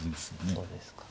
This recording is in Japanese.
そうですか。